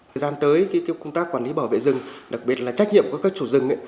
thời gian tới công tác quản lý bảo vệ rừng đặc biệt là trách nhiệm của các chủ rừng